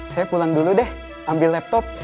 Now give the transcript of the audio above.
saya pulang dulu deh ambil laptop